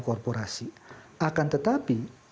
korporasi akan tetapi